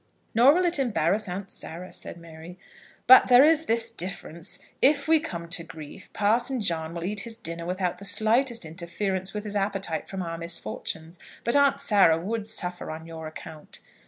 "Nor will it embarrass Aunt Sarah," said Mary. "But there is this difference. If we come to grief, Parson John will eat his dinner without the slightest interference with his appetite from our misfortunes; but Aunt Sarah would suffer on your account."